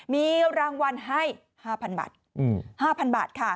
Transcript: มีรางวัลให้๕๐๐๐บาท